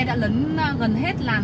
đã lớn gần hết làn